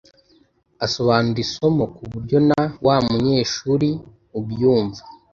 asobanura isomo kuburyo na wamunyeshuri ubyumva